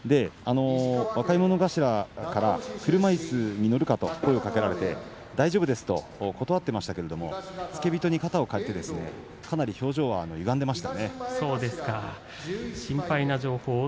若者頭から車いすに乗るか？と声をかけられて大丈夫ですと断っていましたけれども付け人に肩を借りてかなり表情はゆがんでいました。